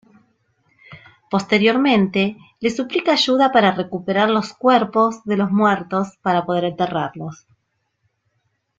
Posteriormente le suplica ayuda para recuperar los cuerpos de los muertos para poder enterrarlos.